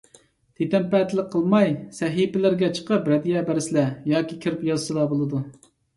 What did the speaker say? تىتەنپەتىلىك قىلماي، سەھىپىلىرىگە چىقىپ رەددىيە بەرسىلە، ياكى كىرىپ يازسىلا بولىدۇ.